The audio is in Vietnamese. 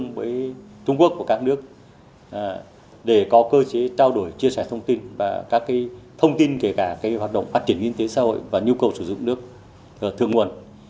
chúng ta đã ban đến cơ chế hợp tác với trung quốc của các nước để có cơ chế trao đổi chia sẻ thông tin và các thông tin kể cả hoạt động phát triển nguyên tế xã hội và nhu cầu sử dụng nước ở thượng nguồn